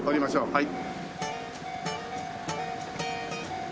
はい。